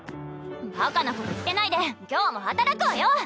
バカなこと言ってないで今日も働くわよ。